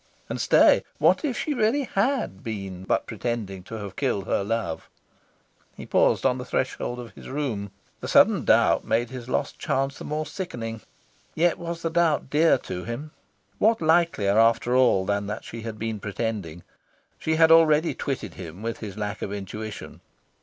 And stay! what if she really HAD been but pretending to have killed her love? He paused on the threshold of his room. The sudden doubt made his lost chance the more sickening. Yet was the doubt dear to him ... What likelier, after all, than that she had been pretending? She had already twitted him with his lack of intuition.